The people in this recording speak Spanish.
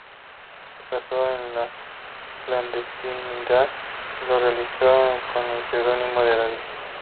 Su paso a la clandestinidad lo realizó con el seudónimo de "David".